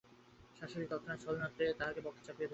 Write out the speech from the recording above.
শাশুড়ী তৎক্ষণাৎ ছলছলনেত্রে তাহাকে বক্ষে চাপিয়া ধরিলেন।